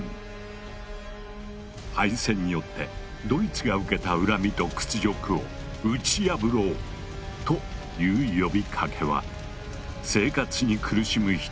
敗戦によってドイツが受けた恨みと屈辱を打ち破ろう！という呼びかけは生活に苦しむ人々の心に火を付けた。